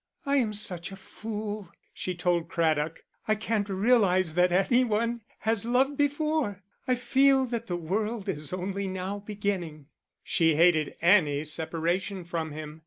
"I am such a fool," she told Craddock, "I can't realise that any one has loved before. I feel that the world is only now beginning." She hated any separation from him.